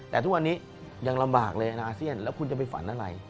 แต่ทุกวันนี้ยังลำบากเลยในอาเซียนแล้วคุณจะไปฝันอะไร